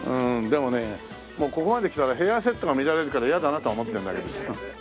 もうここまできたらヘアセットが乱れるから嫌だなとは思ってるんだけどさ。